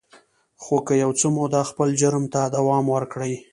خو که يو څه موده خپل جرم ته دوام ورکړي.